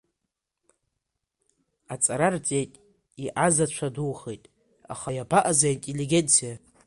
Аҵара рҵеит, иҟазацәа духеит, аха иабаҟаз аинтеллигенциа?!